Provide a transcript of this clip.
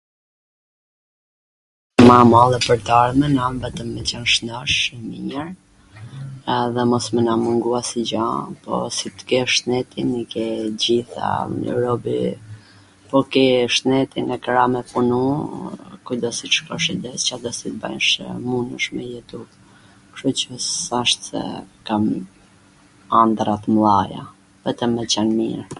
[andrra] ma e madhe pwr t ardhmen vetwm me qwn shnosh e mir, edhe me mos na mungu asnjw gja, po si tw kesh shnetin i ke t gjitha, robi, po ke shnetin, e kra me punu, kudo qw t shkosh, Cado qw t bajsh mundesh me jetu, kshtu qw s'ashtw, kam andrra t mdhaja, vetwm me qwn mir.